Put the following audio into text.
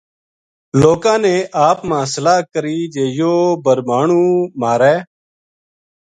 لوکاں نے آپ ما صلاح کری جے یوہ بھربھانو مھارے